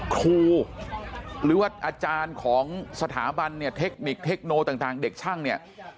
ครูหรือว่าอาจารย์ของสถาบันเนี่ยเทคนิคเทคโนต่างเด็กช่างเนี่ย